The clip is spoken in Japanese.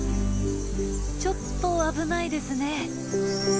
ちょっと危ないですね。